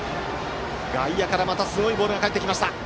外野からまたすごいボールが返ってきました。